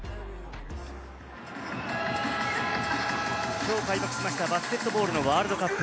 きょう開幕しました、バスケットボールのワールドカップ。